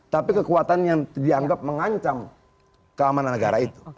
tapi kekuatan yang dianggap mengancam keamanan negara itu